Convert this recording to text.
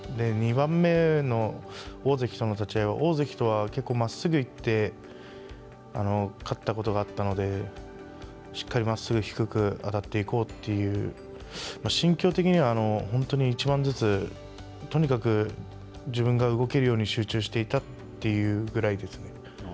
２番目の、大関との立ち合いは、大関とは結構まっすぐ行って勝ったことがあったので、しっかりまっすぐ低く当たっていこうという、心境的には、本当に一番ずつ、とにかく自分が動けるように集中していたというぐらいですね。